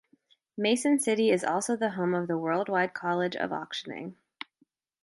Mason City is also the home of the Worldwide College of Auctioning.